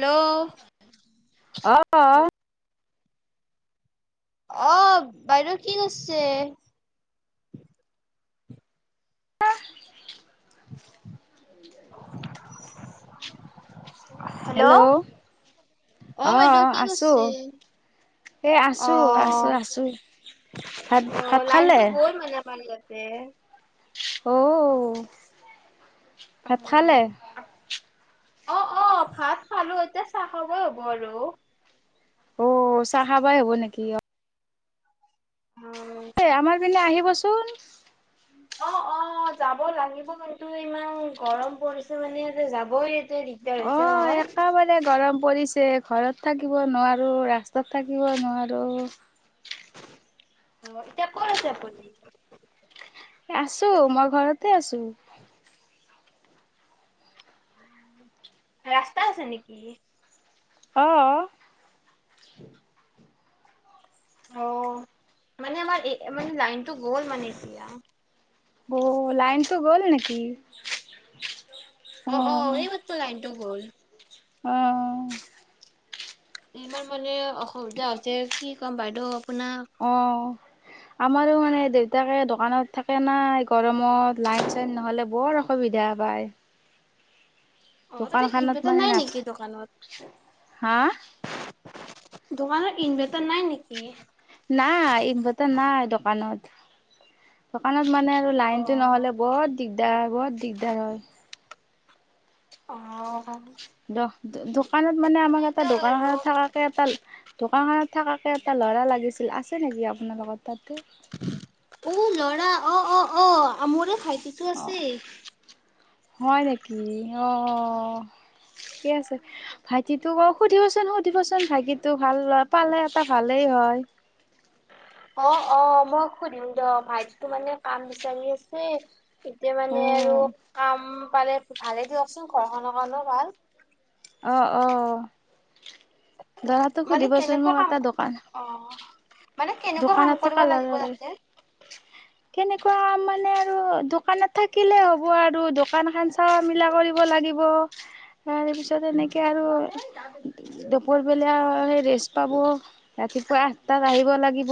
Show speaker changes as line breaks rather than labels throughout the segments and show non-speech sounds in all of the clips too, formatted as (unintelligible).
Hello
অহ
অ বাইদেউ কি কৰিছে
(inaudible)
(inaudible)
হেল্ল'
অ বাইদেউ কি কৰিছে
এ
অ
আছো আছো আছো। ভাত
অ
ভাত খালে
লাইনটো গল মানে (unintelligible) যে
অ' ভাত খালে
অ অ ভাত খালো এতিয়া চাহ খাবই হ'ব আৰু
অ চাহ খাবাই হ'ব নেকি অ এ আমাৰ পিনে আহিবচোন
অ অ যাব লাগিব কিন্তু ইমান গৰম পৰিছে মানে যাবই এতিয়া দিগদাৰ
অ
হৈছে নহয়।
একেবাৰে গৰম পৰিছে। ঘৰত থাকিব নোৱাৰো ৰাস্তাত থাকিব নোৱাৰো।
অ এতিয়া কত আছে আপুনি
আছো মই ঘৰতে আছো
ৰাস্তা আছে নেকি
অ
অ মানে আমাৰ এ মানে লাইনটো গ'ল মানে এতিয়া
অ লাইনটো গ'ল নেকি
অ অ এই মাত্ৰ লাইনটো গল
অ
ইমান মানে অসুবিধা হৈছে কি ক'ম বাইদেউ আপোনাক।
অ আমাৰো মানে দেউতাকে দোকানত থাকে নাই গৰমত লাইন চাইন নহলে বৰ অসুবিধা বা চায়
অ'
দোকান
তাতে
খানত
ইনভাৰ্টাৰ
মানে
নাই
নাথা
নেকি দোকানত?
হা
দোকানত ইনভাৰ্টাৰ নাই নেকি?
নাই এই বতে নাই দোকানত দোকানত মানে আৰু লাইনটো
অ'
নহ'লে বৰ- দিগদাৰ বহত দিগদাৰ হয়
অ
দ দোকানত মানে আমাক
নাই
এটা
দিয়ক
দোকান
আৰু।
খত থাকাকে এটা দোকান খত থকাকে এটা ল'ৰা লাগিছিল আছে নেকি আপোনাৰ লগত তাতে
উ লৰা অ অ অ আমোৰে খাই
আহ হয় নেকি আহ কি আছে ভাইটিটোক অ সুধিবচোন সুধিবচোন ভাইটিটো ভাল ল পালে এটা ভালেই হয় ছ
অ অ মই সুধিম দ ভাইটি তো মানে কাম বিচাৰি আছে এতিয়া মানে আৰু
অ',
কাম পালে ভালে দিয়কচোন ঘৰখনৰ কাৰণো ভাল
অ অ দৰাটো
মানে
সুধিবচোন
কেনেকুৱা
মোক
কাম
এটা দোকান
অ' মানে কেনেকুৱা কাম
দোকানত
কৰিব
থকা ল
লাগিব তাতে?
কেনেকুৱা আমাৰ মানে আৰু দোকানত থাকিলেই হ'ব আৰু দোকানখন চোৱা মিলা কৰিব লাগিব তাৰ পিছত এনেকে আৰু দুপৰবেলা স ৰেষ্ট পাব ৰাতিপুৱা আঠটাত আহিব লাগিব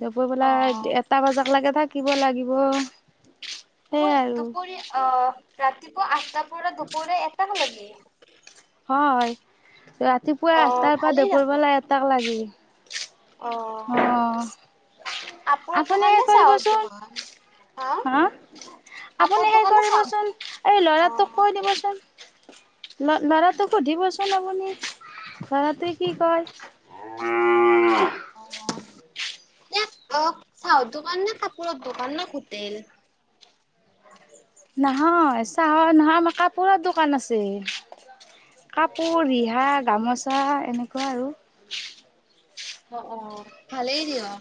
দব পেলা
অ'
এটা বজা লৈকে থাকিব লাগিব
মই
সেয়াই আৰু
দুপৰীয়া আহ ৰাতিপুৱা আঠটাৰ পৰা দুপৰীয়া একটা লাগে
হয় ৰাতিপুৱা
অ
আঠটাৰ পৰা
ভালেই দেখোন
দেপুৰবালা এটাক লাগিল
অ কাপোৰৰ
আপুনি
দোকানে
এই
চাওঁ
কৰিবচোন।
তোমাৰ
হা
কাপোৰৰ
আপুনি হেই
দোকানে চাওঁ।
কৰিবচোন এই
অ।
ল'ৰাটোক কৈ দিবচোন।
(unintelligible)
ল ল'ৰাটো সুধিবচুন আপুনি। তৰাতেই কি কয়।
অহ। এ চউত দোকান নে কাপোৰৰ দোকান ন সোটেল।
নহয় চাহৰ নহয় মাক কাপোৰ দোকান আছে। কাপোৰ ৰিহা গামোচা এনেকুৱা আৰু।
অ অ ভালেই দিয় অ।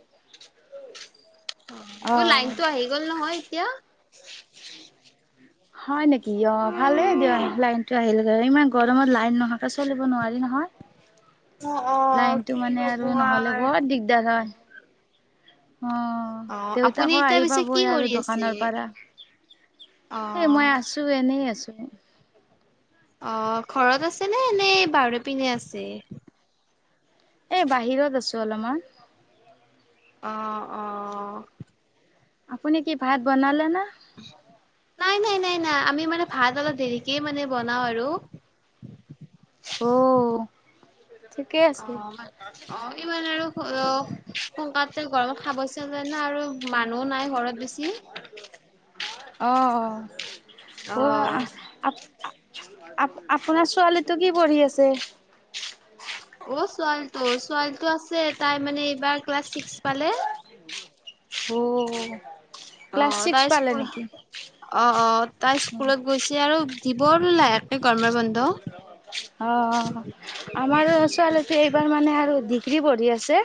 অ অ লাইনতটো আহি গ'ল নহয় এতিয়া।
হয় নেকি অ। ভালেই দিয় লাইনতটো আহিলে ইমান গৰমত লাইন নহাকে চলিব নোৱাৰি
অ অ
নহয়।
কি
লাইনতটো মানে
কব
আৰু নহ'লে
আৰ।
বহত দিগদাৰ হয়। অ
অ আপুনি
দেউতাকো
এতিয়া
আহি
পিছে কি
পাবই আৰু
কৰি আছে?
দোকানৰ পৰা।
অ
এ মই আছো এনেই আছো।
অ ঘৰত আছে নে নে বাৰদ পিনে আছে।
এ বাহিৰত আছো অলপমান।
অ অ।
আপুনি কি ভাত বনালে না।
(unintelligible) নাই নাই নাই নাই আমি মানে ভাত অলপ দেৰিকে মানে বনাওঁ আৰু।
অহ।
অ অ ইমান আৰু অহ। পকাতে গৰমত খাবছিল যে ন আৰু মানুহ নাই ঘৰত বেছি।
অহ
অ
অহ অহ। আ আপোনাৰ ছোৱালীটো কি পঢ়ি আছে।
অ ছোৱালীটো ছোৱালীটো আছে তাই মানে এইবাৰ ক্লাছ ছিক্স পালে।
অহ।
অ তাই স্কুল অ অ তাই স্কুলত গৈছে আৰু। দিব লাহে একে গৰমৰ বন্ধ।
অ আমাৰ ছোৱালী এইবাৰ মানে আৰু দি। (unintelligible) ডিগ্ৰী পঢ়ি আছে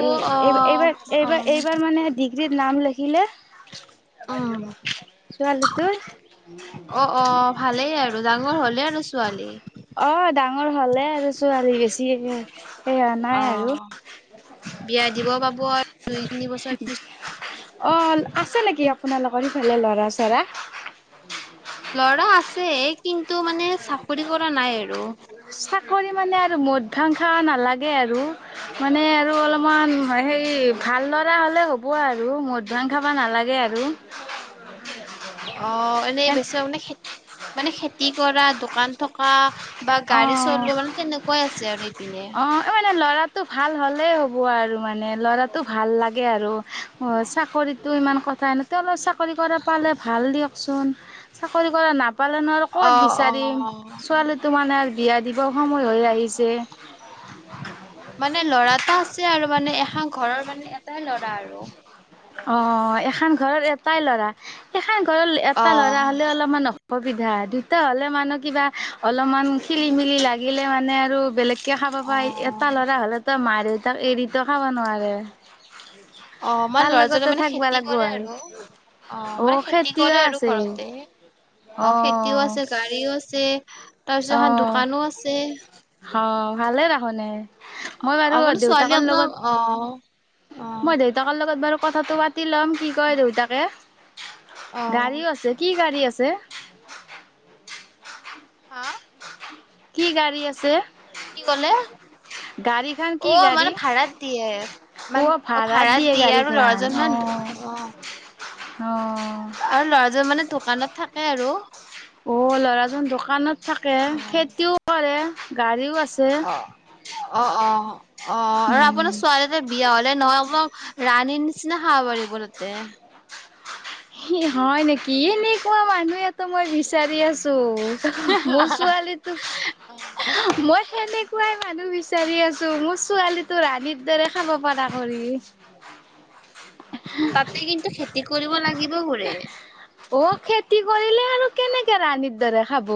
অ অ অ
এই বাৰ মানে ডিগিৰি পঢ়ি আছে। (unintelligible) জিত নাম লিখিলে।
উম
ছোৱালী তোৰ।
অ অ ভালেই আৰু ডাঙৰ হ'লে আৰু ছোৱালী।
ডাঙৰ হ'লে আৰু ছোৱালী বেছি সেয়া নাই আৰু।
অ বিয়া দিব পাব আৰু দুই তিনি বছৰ পিছত।
অ আছে নেকি আপোনালোকৰ ইফালে লৰা চৰা।
লৰা আছে কিন্তু মানে চাকৰি কৰা নাই আৰু।
চাকৰি মানে আৰু মদ ভাংসা নালাগে আৰু মানে আৰু অলপমান হেৰি ভাল ল'ৰা হলে হ'ব আৰু মধ ভাং খাবা নালাগে। (unintelligible) আৰু। (unintelligible)
উ (unintelligible) অ এনেই বেছি মানে খেতি মানে খেতি কৰা দোকান থকা। বা গাড়ী চলিব মানে তেনেকুৱাই আছে আৰু এইপিনে।
মে ল'ৰাটো ভাল হ'লেই হ'ব আৰু মানে ল'ৰাটো ভাল লাগে আৰু চাকৰিত। ত ইমান কথাইনো তেওঁলোক চাকৰি কৰা পালে ভাল দিয়কচোন চাকৰি কৰা ন। (unintelligible) পালনৰ আৰু ক'ত
অ অ
বিচাৰিম ছোৱালীটো মানে আৰু বিয়া দিম। (unintelligible) সময় হৈ আহিছে।
মানে লৰাটা আছে আৰু মানে এখন ঘৰৰ মানে এটাই ল'ৰা আৰু (unintelligible)
অ এখন ঘৰৰ এটাই ল'ৰা এখন ঘৰৰ
অ
এটা ল'ৰা হ'লে অলপমান অ অসুবিধা দুটা হলে মানে কিবা অলপমান খেলি মেলি লাগিলে মানে আৰু বেলেগ কে খাব
অ
পাই এটা ল'ৰা হলেতো মা দেউতাক এৰিত খাব নোৱাৰে (unintelligible)
আমাৰ
তাৰ
ল'ৰাজনে
লগতে
মানে
থাকিব
খেতি
লাগিব
কৰে আৰু অ মানে খেতি
খেতিও
কৰে আৰু
আছে,
ঘৰতে অ খেতিও আছে গাড়ীও আছে তাৰপিছত এখন
অ'
দোকানো আছে
অ ভালে ৰাখোনে মই বাৰু
আপোনাৰ ছোৱালী
দেউতাকৰ
আপোনাৰ
লগত (unintelligible)
অ', অ',
মই দেউতাকৰ লগত বাৰু কথাটো পাতি লম কি কয় দেউতাকে
অ',
গাড়ীও আছে কি গাড়ী আছে
হা
কি গাড়ী আছে
কি কলে
গাড়ী খান
অ
কি
মানে
গাড়ী
ভাড়াত দিয়ে মান
অ
ভাড়াত দিয়ে
গাড়ী
আৰু
খান
লৰাজন
অ
মান অ
অ
আৰু ল'ৰাজন মানে দোকানত থাকে আৰু
অ ল'ৰাজন দোকানত থাকে
অ',
খেতিও কৰে গাড়ীও আছে
অ অ অ অ আৰু আপোনাৰ
উম
ছোৱালীতে বিয়া হলে নহয় আপোনাৰ ৰাণীৰ নিচিনা খাব পাৰিব ততে
হয় নেকি এনেকুৱা মানুহটো মই বিচাৰি আছো (unintelligible) মোৰ ছোৱালীটো
অ'।
মই সেনেকুৱাই মানুহ বিচ (unintelligible) বিচাৰি আছো মোৰ ছোৱালীটো ৰানীৰ দৰে খাব পৰা কৰি (unintelligible)
তাতে কিন্তু খেতি কৰিব লাগিব বোৰে (unintelligible)
অ খেতি কৰিলে আৰু কেনেকে ৰাণীৰ দৰে খাব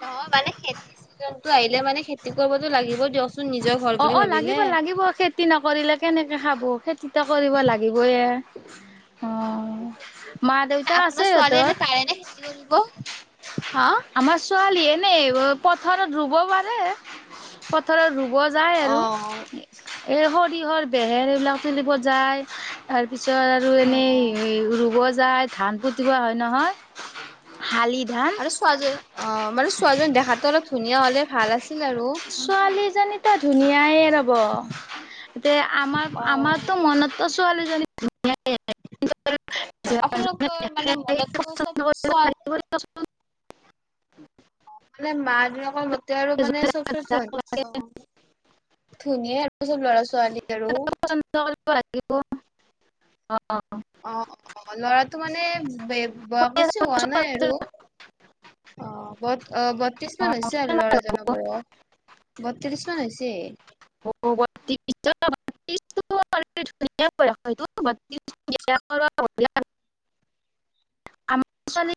নহয় মানে খেতি চিজনটো আহিলে মানে খেতি কৰিবতো লাগিবই দ (unintelligible)
অ অ লাগিব লাগিব খেতি নকৰিলে কেনেকৈ খাব খেতিটো কৰিব লাগিবই (unintelligible) অ মা দেউতা
আপোনাৰ
আছে
ছোৱালী
এতৰ
এনে পাৰে নে খেতি কৰিব?
(unintelligible)
হা
ছোৱালী এনে পথাৰত ৰুব পাৰে পথাৰত ৰুব (unintelligible) ব যায়
অ
আৰু এই সৰিয়হৰ বেহেৰ এইবিলাক তুলিব যায় (unintelligible) তাৰপিছত আৰু
অ
এনেই ৰুব যায়, ধান পুতিব হয় নহয় শালি ধান
আৰু ছোৱজনী অ মানে ছোৱালজনী দেখাতটো অলপ ধুনীয়া হলে ভাল আছে।
ছোৱালীজনীতা ধুনীয়াইে আৰু এ আমাৰ
অ
আমাৰতো মনতো ছোৱালীজনী। উম (unintelligible)
আপোনালোকৰ মানে মনত চব
পচন্দ
চোৱা।
(inaudible)
অঁ মানে মাঁ- দেউতাক ৰ মতে আৰু মানে চব চ অঁ ধুনীয়া আৰু চব ল'ৰা ছোৱালী আৰু
এই অঁ
অঁ অঁ ল'ৰাটো মানে বয়স বেছি হোৱা নাই
পঁচিছ
আৰু। অঁ অঁ বত্ৰিশ মান হৈছে, আৰু ল'ৰাজনৰ বয়স বত্ৰিশ মান হৈছে! (inaudible)
অ ব বি (unintelligible) (unintelligible) (unintelligible) (unintelligible) (unintelligible) (unintelligible) আমাৰ ছোৱালী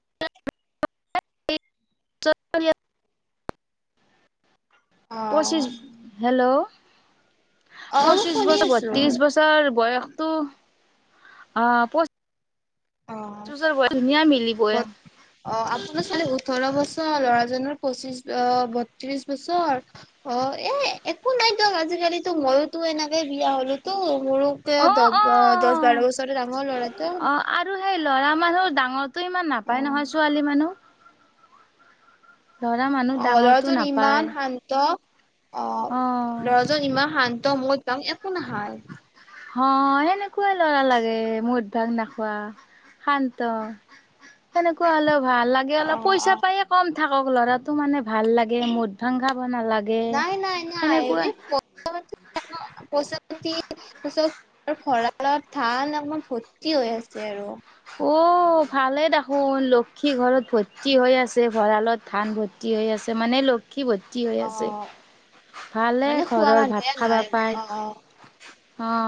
(unintelligible)
অ
পঁচিছ, হেল্ল',
অ মই
পঁচিশ
শুনি
বছৰ,
আছো
বত্ৰিশ বছৰ বয়সতটো অঁ পচ
অঁ
মিলিবই
ব অঁ আপোনাৰ ছোৱালীৰ (unintelligible) ওঠৰ বছৰ ল'ৰাজনৰ পঁচিশ বত্ৰিশ বছৰ অ এ একো নাই (unintelligible) নাইটো আজিকালিটো মইওঁ মইটো এনেকে বিয়া হলোটো মোৰো
অ' অ'
দহ-বাৰ বছৰ ডাঙৰ ল'ৰাটো।
অ' আৰু সেই ল'ৰা মানুহ ডাঙৰটো ইমান
অ
নাপাই নহয় ছোৱালী মানুহ। ল'ৰা মানুহ
অঁ
ডাঙৰটো
লৰাজন
নাপায়
ইমান শান্ত। অঁ
অ'
লৰাজন ইমান শান্ত মদ, ভাং একো নাখায়।
অঁ সেনেকুৱাই লৰা লাগে, মদ ভাং নাখোৱা শান্ত। সেনেকুৱা অলপ ভাল লাগে
অ
অলপ
অ
পইচা পায় কম থাকক ল'ৰাটো মানে ভাল লাগে মদ ভাং খাবা
নাই, নাই, নাই এ পইচাটো তাৰপাছত ভৰালত ধান অকমান ভৰ্তি হৈ আছে আৰু।
অঁ ভালেই দেখোন লক্ষী ঘৰত ভৰ্তি হৈ আছে ভঁৰালত ধান ভৰ্তি হৈ আছে মানে ল ক্ষ্মী ভৰ্তি হৈ
অ
আছে, ভালে
মানে খোৱা
ঘৰৰ
মানুহে
ভাত খাবা
নাই
পাই।
অ অ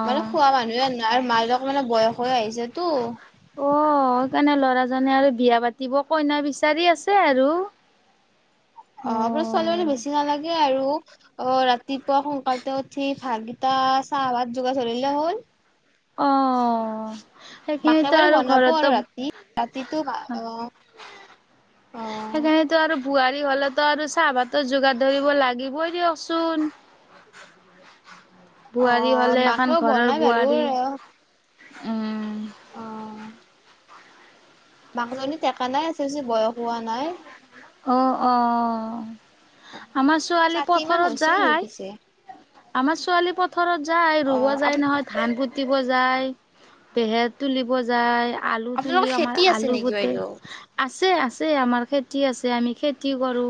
মানে খোৱা মানুহে নাই, মাক অকমান বয়স হৈ আহিছেটো।
অঁ সেইকাৰণে ল'ৰাজনে আৰু বিয়া পাতিব কইনা বিচাৰি আছে আৰু। অ
অঁ আপোনাৰ ছোৱালীজনী বেছি নালাগে আৰু। অঁ ৰাতিপুৱা সোনকালতে উঠি ভূতকেইটাই চাহ ভাত যোগাৰ ধৰিলে হ'ল।
অঁ।
মাকে বাৰু বনাব আৰু ৰাতি ৰাতিটো আঁহ।
সেইকাৰণেটো আৰু বোৱাৰী হ'লে টো আৰু চাহভাতৰ যোগাৰ ধৰিব লাগিবই দিয়কচোন।
(inaudible) অ
বোৱাৰী হ'লে এখন
মাকেও
ঘৰৰ
বনাই বাৰু
বোৱাৰী, উম
মাক জনী টেকা নাই আছিল যে বয়স হোৱা নাই।
অঁ অঁ আমাৰ ছোৱালী
ষাঠি মান
পথাৰত
হৈছিল
যায়,
পিছে
আমাৰ ছোৱালী পথাৰত যায়
অ
ৰুব
আপ
যায় নহয় ধান পুতি ব যায়, পেহে তুলিব যায়, আলু তুলি,
আপোনালোকৰ
আমাৰ
খেতি আছে
আলু
নেকি
গতে
বাইদেউ
আছে আছে আমাৰ খেতি আছে আমি খেতি কৰোঁ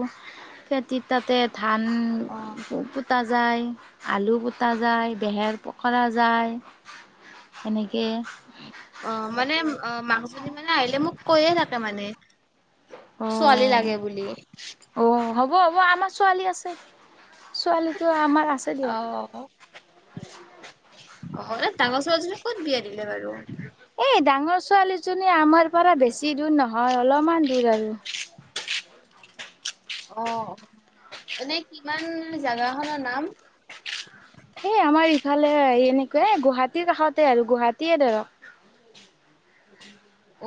খেতি তাতে ধান
অ
পু পুতা যায়, আলু পুতা যায়, বেহেৰ পখৰা যায়। এনেকে
অ মানে অ মাকজনী মানে আহিলে মোক কৈয়ে থাকে মানে,
অ
ছোৱালী লাগে বুলি।
অ হ'ব হ'ব আমাৰ ছোৱালী আছে ছোৱালীটো আমাৰ আছে দিয়ক।
অ',
(unintelligible)
অ ডাঙৰ ছোৱালীজনী ক'ত বিয়া দিলে বাৰু?
এই ডাঙৰ ছোৱালীজনী আমাৰ পৰা বেছি দূৰ নহয় অলপমান দূৰ আৰু।
অ অ এনে কিমান জাগাখনৰ নাম?
এই আমাৰ ইফালে এনেকুৱা গুৱাহাটীৰ কাষতে আৰু গুৱাহাটীয়ে ধৰক।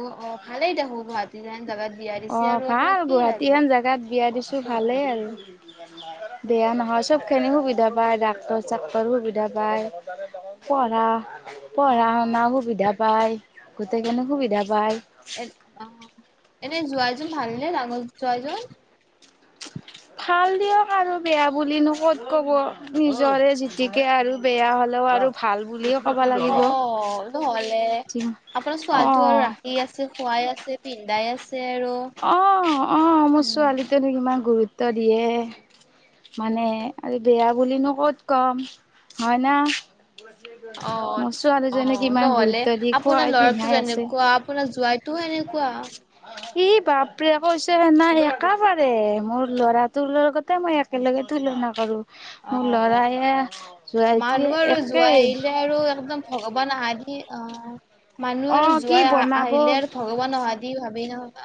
অ অ ভালেই দেখোন গুৱাহাটী হেন জাগাত। বিয়া
অ
দিছে আৰু আপোনাক
ভাল
কি
গুৱাহাটী
লাগে?
হেন জাগাত বিয়া দিছো ভালেই আৰু। বেয়া নহয়
অ',
চব খিনি সুবিধা পায় ডাক্তৰ চাক্তৰ সুবিধা পায়, পঢ়া
অ',
পঢ়া শুনা
অ',
সুবিধা পায়, গোটেইখিনি সুবিধা পায়।
এ অ এনেই জোঁৱাই জন ভাল নে জোঁৱাইজন।
ভাল দিয়ক আৰু বেয়া বুলি নু ক'ত ক'ব নিজৰে জতিকে আৰু বেয়া হ' লে আৰু ভাল বুলিয়ে কব
অ
লাগিব
নহ'লে আপোনাৰ
অ
ছোৱালীটো আৰু ৰাখি আছে খোৱাই আছে, পিন্ধাই আছে। আৰু।
আঁহ আঁহ মোৰ
উম,
ছোৱালীজনীক ইমান গুৰুত্ব দিয়ে। মানে আৰু বেয়া বুলিনো ক'ত কম হয় ন
অ',
মচোৱালজনীক
অ',
ইমান
নহ'লে
গুৰুত্ব দি খোৱাই পিন্ধাই আছে
তো এনেকুৱা
ই বাপৰে কৈছে নাই এক পাৰে মোৰ ল'ৰাটোৰ লগতে মই একেলগে তুলনা কৰো মোৰ
অ',
লৰায়
মানুহ আৰু জোৱাই আহিলে আৰু একদম ভগৱান আহ দি অ
অ
মানুহ আৰু
কি
যোৱাই আহ
বনাব
আহিলে আৰু ভগৱান অহা দি ভাবি নহ